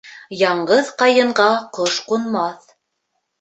Яңғыҙ ҡайынға ҡош ҡунмаҫ.